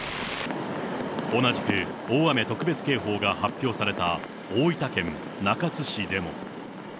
同じく大雨特別警報が発表された大分県中津市でも。